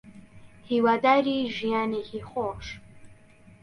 هیواداری ژیانێکی خۆش